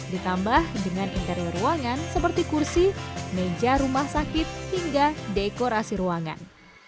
ditambah dengan interior ruangan seperti kursi meja rumah sakit hingga dekorasi ruangan